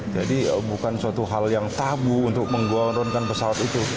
jadi bukan suatu hal yang tabu untuk menggo around pesawat itu